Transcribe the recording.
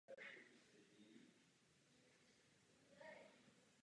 Tento druh informací vyvolává otázku.